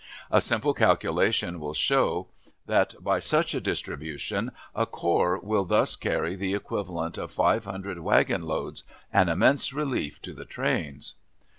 A simple calculation will show that by such a distribution a corps will thus carry the equivalent of five hundred wagon loads an immense relief to the trains.